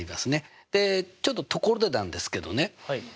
でちょっとところでなんですけどね